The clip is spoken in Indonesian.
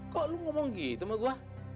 kok lu ngomong gitu mah gua